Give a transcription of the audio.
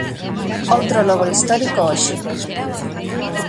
Outro logro histórico hoxe.